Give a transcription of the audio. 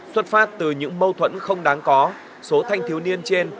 xuất phát từ những mâu thuẫn không đáng có số thanh thiếu niên trên